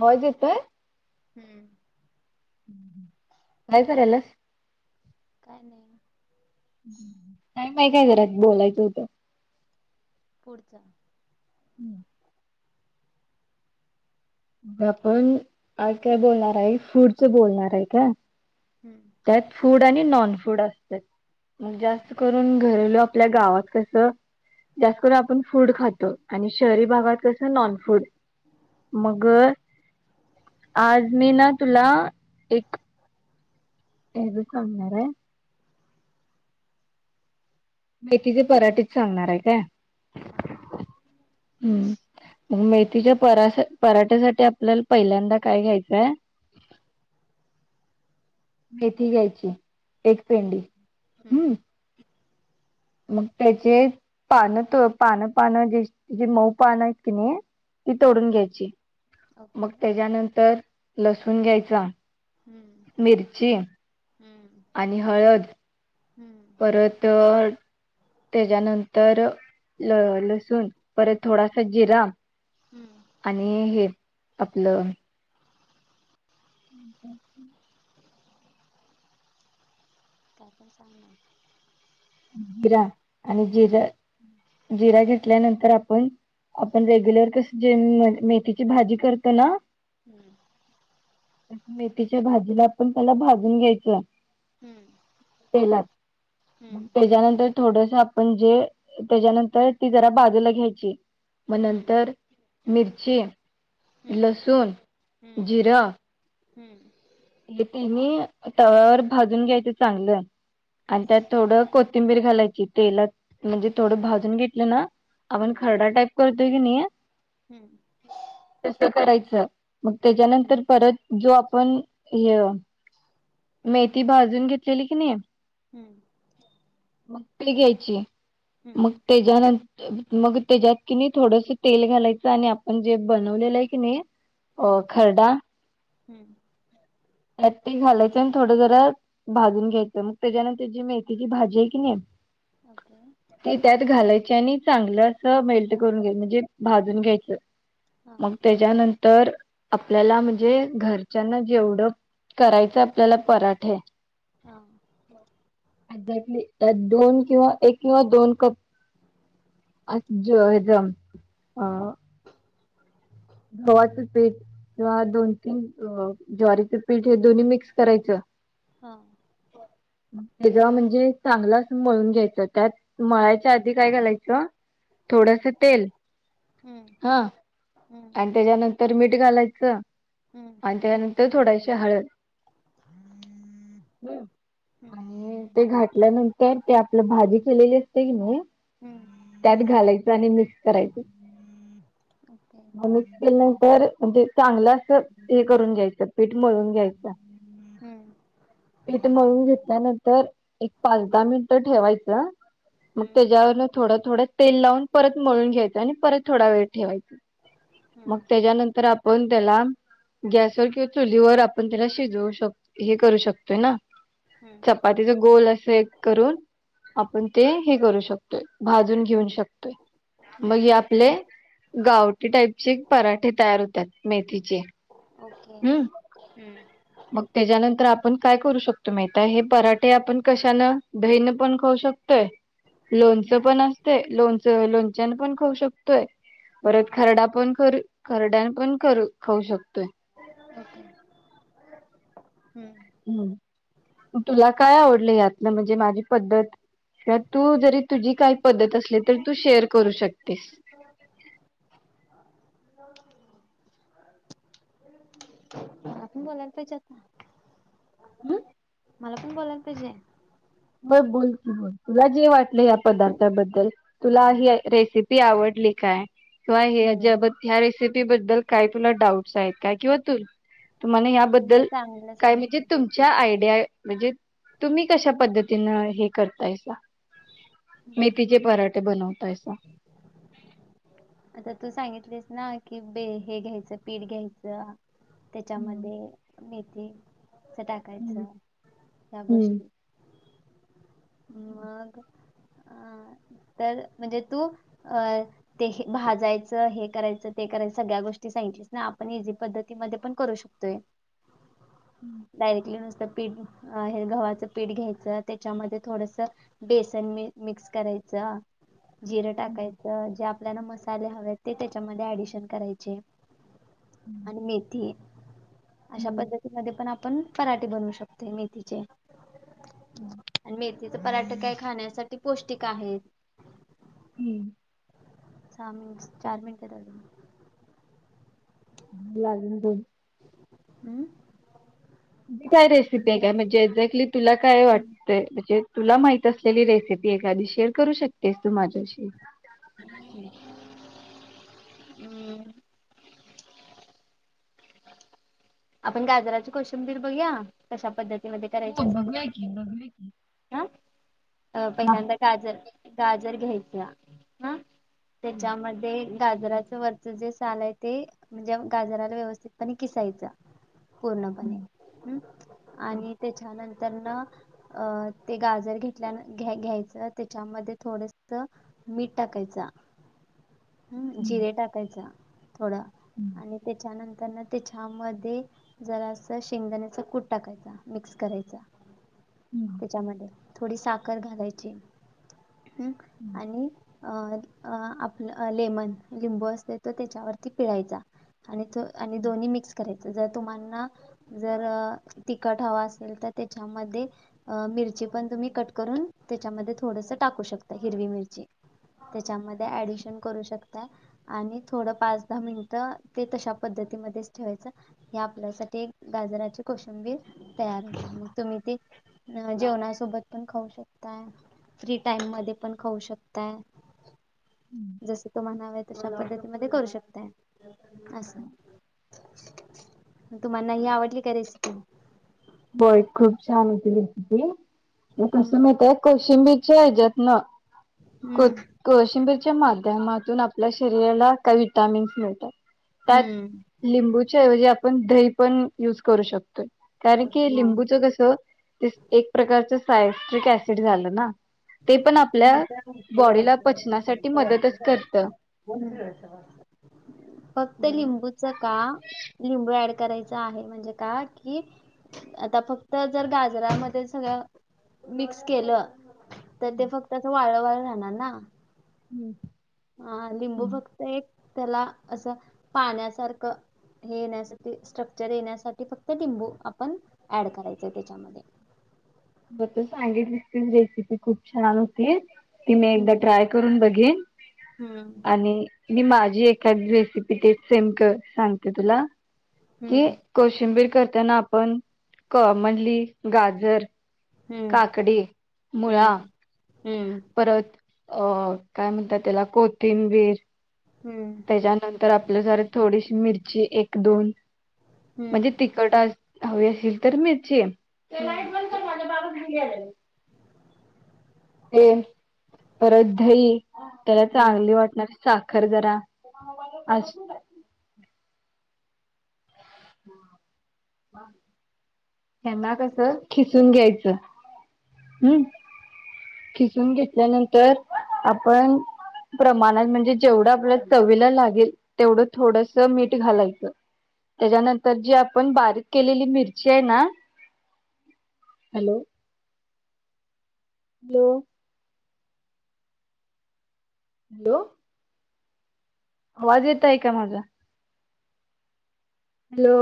आवाज येतोय. हम्म. काय करालैस. काय नाही. हम्. टाइम आहे का, जरा बोलायचं होतं पुढचा. हम्. आपण आज काय बोलणार आहे, फूडच बोलणार आहे काय. हम्म. त्यात फूड आणि नॉन फूड असत्यात हम्म जास्त करून. घरेलू आपल्या गावात कसं, जास्त करून आप फूड खातो. आणि शहरी भागात कसं नॉन फूड हा मगं. आज मी ना, तुला एक. [unintelligible] मेथीचे पराठेच सांगणार आहे काय हा हम्म. मेथीच्या पराठ्यासाठी आपल्याला पहिल्यांदा काय घ्यायचाय. मेथी घ्यायची. एक पेंडी हम्म. मग त्याचे पान त पान पानं जे जे, मऊ पानं आहेत कनी. ती तोडून हम्म घ्यायची, ओके मग त्याच्यानंतर लसुण घ्यायचा. हम्म मिरची हम्म. आणि हळद. हम्म परत. त्याच्यानंतर लसूण, परत हम्म थोडासा जिरा. हम्म. आणि हे आपलं. अं.. काय पण सांगना. जिरा आणि जिर. ह.. जिरा घेतल्यानंतर आपण. आपण रेग्युलर कसं जे, मेथीची भाजी करतोय ना. हम्म. मेथीच्या भाजीला‌ पण, पहिला भाजून घ्यायचं. हम्म तेलात हम्म त्याच्यानंतर थोडंसं आपण जे, तेच्यानंतर ती जरा बाजूला घ्यायची. मग नंतर मिरची हम्म लसूण हम्म जिरं. हम्म. हे तिन्ही तव्यावर भाजून घ्यायचं चांगलं, आणि हम्म त्यात थोडं. कोथिंबीर घालायची तेलात, म्हणजे थोडं भाजून घेतलं ना. आपण खरडा टाईप करतो की नाही. हम्म. तसं करायचं मग, तेच्यानंतर हम्म परत. जे आपण ह मेथी भाजून, घेतलेली की नाही. हम्म. मग ते घ्यायची, हम्म हम्म मग तेच्यानंतर. मग त्याच्यात कि नाही थोडस तेल घालायचं, आणि आपण जे बनवलेला आहे की नाही. अं.. हम्म खरडा हम्म. [unintelligible] घालायचं आणि थोडं जरा. भाजून घ्यायचं मग, त्याच्यानंतर जी मेथीची भाजी आहे कनी. ओके. ते त्यात घालायची आणि चांगलं असं, मेल्ट करून घ्या म्हणजे भाजून घ्यायच. हा मग तेच्यानंतर आपल्याला, म्हणजे घरच्यांना जेवढं. करायचं आपल्याला पराठे. हां. एक्झॅक्टली त्यात दोन किंवा, एक किंवा दोन कप. अ एकदम अं.. गव्हाचं पीठ किंवा, दोन तीन ज्वारीच पीठ हे दोन्ही मिक्स करायचं. हां. [unintelligible] म्हणजे चांगलं मळून घ्यायचं त्यात मळायच. त्या आधी काय घालायचं, थोडंसं हम्म तेल हम्म हां. हम्म आणि तेच्यानंतर मीठ घालायचं. हम्म. आणि त्यानंतर थोडाशी हळद. हम्म आणि ते घातल्यानंतर ते, आपलं भाजी केलेली असते कणी. हम्म त्यात घालायचं, आणि मिक्स करायचं. ओके मग मिक्स हम्म केल्यानंतर म्हणजे, चांगलं असं हे करून घ्यायचं पीठ मळून घ्यायचं. हम्म पीठ मळून घेतल्यानंतर, एक पाच दहा मिनट ठेवायचं. मग हम्म त्याच्यावरन थोडं थोडं तेल, लावून परत मळून घ्यायचं आणि परत थोडा वेळ ठेवायचा. मग हम्म त्याच्यानंतर आपण त्याला, गॅसवर किंवा चुलीवर आपण त्याला शिजवू शकतो. हे करू शकतोय ना, हम्म चपातीच गोल अस एक करून. आपण ते हे करू शकतोय, भाजून घेऊन शकतोय. हम्म मग हे आपले गावटी टाईपचे पराठे, तयार होतात मेथीचे. ओके हम्म हम्म. मग त्याच्यानंतर आपण काय करू शकतो, माहितीये आहे पराठे आपण कशानं दहीन पण खाऊ शकतो. लोणचं पण असतंय, लोणच लोणच्यान पण खाऊ शकतोय हम्म. परत. खरडा पण कर खरडां, ते पण करू खाऊ शकतोय. ओके हम्म. हम् तुला काय आवडलं यातनं म्हणजे माझी पद्धत किवा तू जरी तुझी काही पद्धत असली तरी तू शेअर करू शकतेस. आपण बोलायला पाहिजे आता. हम्म. मला पण बोलायला पाहिजे? म बोल की बोल तुला जे वाटलं या पदार्थाबद्दल तुला ही रेसिपी आवडली काय? किंवा हे ज हम्म. ह्या बद्द ह्या रेसिपी बद्दल काय तुला डाऊटस आहेत काय किंवा तू तुम्हाला नाही याबद्दल चांगलं काय म्हणजे सांगितलं तुम आयडिया म्हणजे तुम्ही कशा पद्धतीन हे करतायसा? हम्म. मेथीचे पराठे बनवतायसा. आता तू सांगितलीस ना की बे हे घ्यायचं पीठ घ्यायचं हम्म त्याच्यामध्ये मेथीच टाकायच हम्म. या हम्म. गोष्टी ह मग [inaudible] अं, [unintelligible] तर म्हणजे तू अ ते हे भाजायचं हे करायचं ते करायचं सगळ्या गोष्टी सांगितली ना आपण इझी पद्धतीमध्ये पण करू शकतो ते [unintelligible] हम्म [inaudible] [unintelligible] डायरेक्टली नुसतं पीठ हे गव्हांच पीठ घ्यायच त्याच्यामध्ये थोडस बेसन मी मिक्स करायचं जिरं हम्म. टाकायचं ज आपल्याला मसाले हवे ते त्याच्यामध्ये ऍडिशन करायचे आणि हम्म. मेथी अशा हम्म. पद्धतीमध्ये पण आपण पराठे बनवू शकतोय मेथीचे. हम् [inaudible] [unintelligible] आणि मेथीचा पराठ काय खाण्यासाठी पौष्टिक आहेत. हम्म. सहा मिनिट चार मिनिट राहिले. [unintelligible] हम् [unintelligible] ती काय रेसिपी आहे काय म्हणजे एक्झॅक्टली तुला काय वाटतंय म्हणजे तुला माहित असलेली रेसिपी एखादी शेअर करू शकतेस तू माझ्याशी. हम् [unintelligible] आपण गाजराची कोशिंबीर बघूया कशा पद्धतीमध्ये करायची असते ईनो [unintelligible] हा अ पहिल्यांदा गाजर गाजर घ्यायचं हं? त्याच्यामध्ये ते गाजराचं वरचं जे साल आहे ते म्हणजे गजाराला व्यवस्थितपणे खिसायचं पूर्णपणे. हम्म आणि त्याच्यानंतरनं अ ते गाजर घेत [unintelligible] घ-घ्यायचं त्याच्यामध्ये थोडस मीठ टाकायचा. हम्म जिरे टाकायचा थोडा. हम्म. आणि त्याच्यानंतर ना त्यांच्यामध्ये जरासं शेंगदाण्याचा कूट टाकायचा, मिक्स करायचा. त्याच्यामध्ये थोडी साखर घालायची. हम्म आणि अ अ आपलं लेमन लिंबू असतंय तर त्याच्यावरती पिळायचा. आणि तो आणि दोन्ही मिक्स करायचं. जर तुम्हाना जर तिखट हवा असेल, तर त्याच्यामध्ये अं मिरची पण तुम्ही कट करून त्याच्यामध्ये थोडंसं टाकू शकता हिरवी मिरची. त्याच्यामध्ये ऍडिशन करू शकताय. आणि थोडं पाच दहा मिनिटं ते तशा पद्धतीमध्येच ठेवायचं. हे आपल्यासाठी गाजराची कोशंबीर तयार होते तुम्ही ती. जेवणासोबत. पण खाऊ शकताय, फ्री टाइममध्ये पण खाऊ शकताय. जस तुम्हाला हवं आहे तशा पद्धतीमध्ये करू शकताय. असं तुम्हाना ही आवडली का रेसिपी. होय, खूप छान होती रेसिपी, हम्म कसं माहितीये कोशिंबीर. त्याच्यातनं कु हम्म. कोशिंबीर च्या माध्यमातून आपल्या, शरीराला काही विटामिन्स मिळतात. त्यात हम्म लिंबूच्याऐवजी आपण, दही पण युज करू शकतोय. कारण की लिंबूच कस एक, प्रकारच सायस्ट्रिक ऍसिड झालं ना. ते पण [unintelligible] आपल्या बॉडीला पचनासाठी मदतच करतं. फक्त लिंबूच का, लिंबू ऍड करायच आहे म्हणजे का कि, आता फक्त जर, गाजरामध्ये सगळं मिक्स केलं. तर ते फक्त, वाळं वाळ राहणार ना. हम्म. हा लिंबू फक्त, एक त्याला असं पाण्यासारखं. हे येण्यासाठी स्ट्रक्चर येण्यासाठी, फक्त लिंबू आपण ऍड करायचय तेच्यामध्ये. जी तू सांगितलीस ती रेसिपी खूप छान होती, ती मी एकदा हम्म ट्राय करून बघेन. हम्म आणि, मी माझी एखादी रेसिपी ते, सेम कर सांगते तुला कि. हम्म कोशिंबीर करताना आपण कॉमनली गाजर काकडी मुळा. हम्म हम्म परत अ काय म्हणतात त्याला कोथिंबीर. हम्म. हम्म त्यानंतर आपलं जरा, थोडीशी मिरची एक दोन हम्म म्हणजे. तिख [unintelligible] ती हम्म लाईट बंद कर, माझ्या बाबाच बिल यायलय. ते परत दही, त्याला हम्म चांगली वाटणारी साखर जरा, असं ह ह [unintelligible] त्यांना कस खिसून घ्यायचं, हम्.. खिसून घेतल्यानंतर आपण, प्रमाणात म्हणजे जेवढं, आपल्या चवीला लागेल तेवढं थोडस मीठ घालायचं. तेच्यानंतर जी, आपण बारीक केलेली मिरची आहे ना. हॅलो. हॅलो. हॅलो. आवाज येतोय, का माझा. हॅलो.